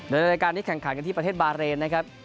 โดยรายการนี้แข่งขันกันที่ประเทศบาเรนนะครับ